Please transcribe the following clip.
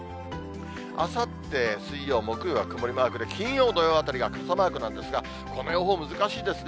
あさって水曜、木曜は曇りマークで、金曜、土曜あたりが傘マークなんですが、この予報、難しいですね。